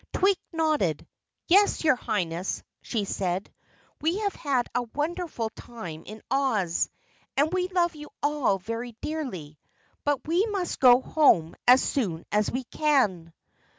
Twink nodded. "Yes, your Highness," she said. "We have had a wonderful time in Oz, and we love you all very dearly, but we must go home as soon as we can."